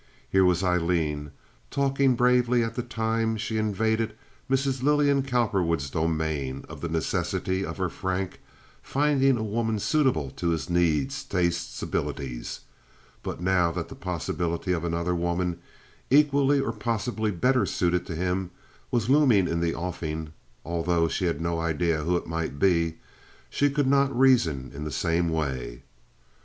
Here was Aileen talking bravely at the time she invaded Mrs. Lillian Cowperwood's domain of the necessity of "her Frank" finding a woman suitable to his needs, tastes, abilities, but now that the possibility of another woman equally or possibly better suited to him was looming in the offing—although she had no idea who it might be—she could not reason in the same way.